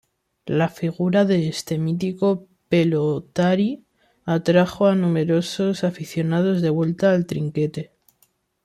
La figura de este mítico pelotari atrajo a numerosos aficionados de vuelta al trinquete.